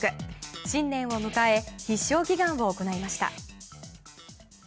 新年を迎え必勝祈願を行いました。